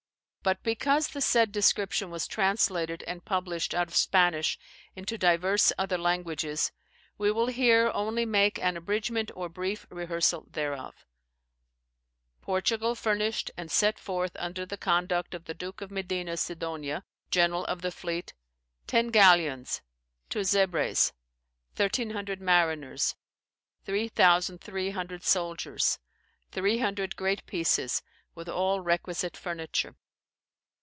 But because the said description was translated and published out of Spanish into divers other languages, we will here only make an abridgement or brief rehearsal thereof. "Portugal furnished and set foorth under the conduct of the Duke of Medina Sidonia, generall of the fleete, ten galeons, two zabraes, 1300 mariners, 3300 souldiers, 300 great pieces, with all requisite furniture.